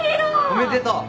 おめでとう。